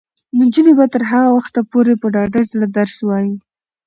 نجونې به تر هغه وخته پورې په ډاډه زړه درس وايي.